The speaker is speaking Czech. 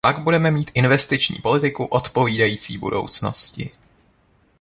Pak budeme mít investiční politiku odpovídající budoucnosti.